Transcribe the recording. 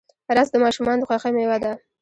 رس د ماشومانو د خوښۍ میوه ده